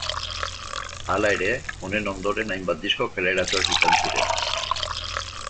Hala ere, honen ondoren hainbat disko kaleratuak izan ziren.